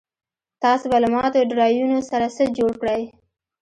تاسو به له ماتو ډرایوونو سره څه جوړ کړئ